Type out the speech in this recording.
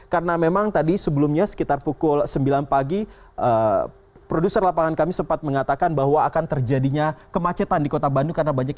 karena memang tadi sebelumnya sekitar pukul sembilan pagi produser lapangan kami sempat mengatakan bahwa akan terjadinya kemacetan di kota bandung